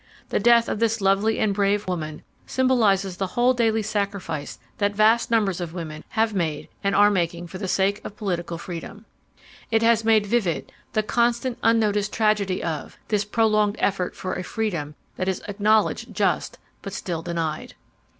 The death of this lovely and brave women symbolizes the whole daily sacrifice that vast numbers of women have made and are making for the sake of political freedom. It has made vivid the 'constant unnoticed tragedy of, this prolonged effort for a freedom that is acknowledged just, but still denied.